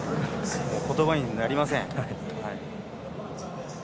言葉になりません。